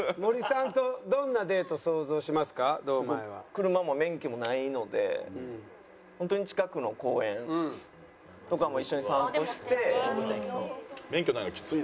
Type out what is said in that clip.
車も免許もないのでホントに近くの公園とかも一緒に散歩して。